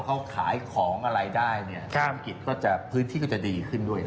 เขาขายของอะไรได้พื้นที่ก็จะดีขึ้นด้วย